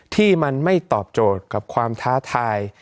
ที่มันไม่ตอบโจทย์กับความท้าทาย